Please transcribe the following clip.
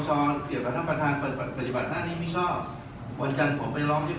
ผมเชื่อว่าท่านประธานรู้ดี